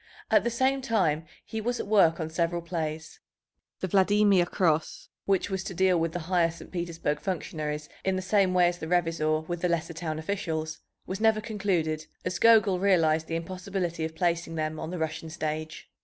At the same time he was at work on several plays. The Vladimir Cross, which was to deal with the higher St. Petersburg functionaries in the same way as the Revizor with the lesser town officials, was never concluded, as Gogol realized the impossibility of placing them on the Russian stage.